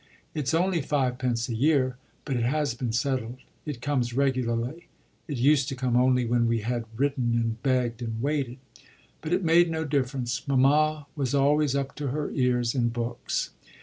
It's only fivepence a year, but it has been settled; it comes regularly; it used to come only when we had written and begged and waited. But it made no difference mamma was always up to her ears in books.